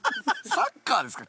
サッカーですか？